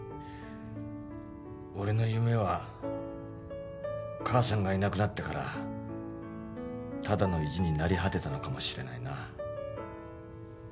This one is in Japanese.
俺の夢は母さんがいなくなってからただの意地になり果てたのかもしれないな。